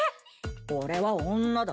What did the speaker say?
俺は女だ。